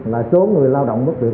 là số người lao động bất biệt